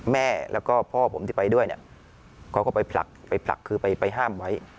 แม่แล้วก็พ่อผมที่ไปด้วยเนี่ยเขาก็ไปผลักไปผลักคือไปห้ามไว้